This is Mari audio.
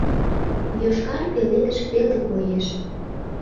Йошкар пеледыш веле коеш.